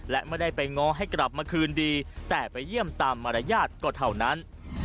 และไม่ได้ไปง้อให้กลับมาคืนดีแต่ไปเยี่ยมตามมารยาทก็เท่านั้น